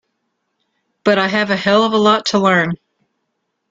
But I have a hell of a lot to learn.